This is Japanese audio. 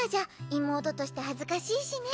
妹として恥ずかしいしね。